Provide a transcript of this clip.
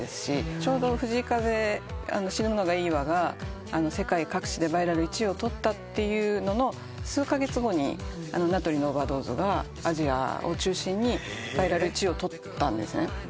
ちょうど藤井風『死ぬのがいいわ』が世界各地でバイラル１位を取ったというのの数カ月後になとりの『Ｏｖｅｒｄｏｓｅ』がアジアを中心にバイラル１位を取ったんですね。